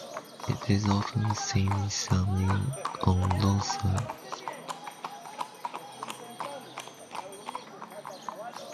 It is often seen sunning on roadsides or other paved areas.